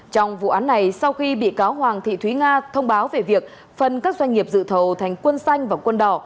trong vụ án này sau khi bị cáo hoàng thị thúy nga thông báo về việc phân các doanh nghiệp dự thầu thành quân xanh và quân đỏ